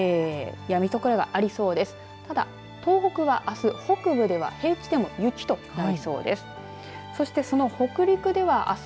ただ東北ではあす、北部でも平地で雪となりそうです。